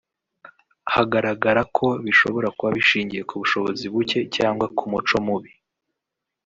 hagaragara ko bishobora kuba bishingiye ku bushobozi buke cyangwa ku muco mubi